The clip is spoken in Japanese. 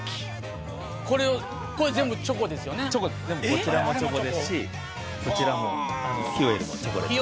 こちらもチョコですしこちらもＨＩＹＯＬもチョコです。